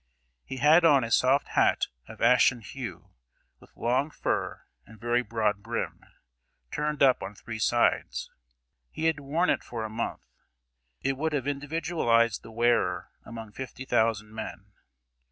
He had on a soft hat of ashen hue, with long fur and very broad brim, turned up on three sides. He had worn it for a month; it would have individualized the wearer among fifty thousand men.